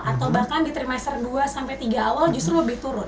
atau bahkan di trimester dua sampai tiga awal justru lebih turun